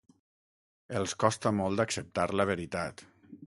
Els costa molt acceptar la veritat.